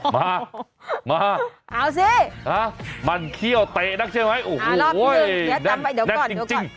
มามาเอาสิมันเขี้ยวเตะนะใช่ไหมโอ้โหเดี๋ยวจำไปเดี๋ยวก่อน